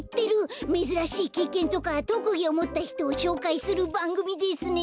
めずらしいけいけんとかとくぎをもったひとをしょうかいするばんぐみですね。